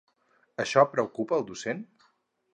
Això preocupa al docent?